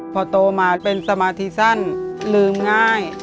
พอโตมาเป็นสมาธิสั้นลืมง่าย